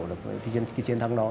được cái chiến thắng đó